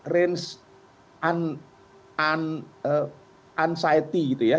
range anxiety gitu ya